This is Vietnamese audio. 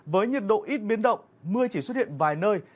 với nhiệt độ ít biến động mưa chỉ xuất hiện vài nơi